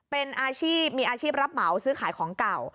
เป็นอาชีพมีอาชีพรับเหมาซื้อขายของเก่า